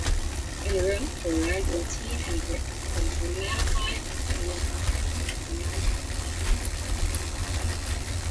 In Rome he learned Latin and Greek, became romanized and was granted Roman citizenship.